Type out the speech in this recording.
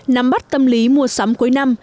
năm bắt tâm lý mua sắm cuối năm